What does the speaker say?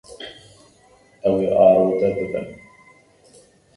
Ew ê arode bibin.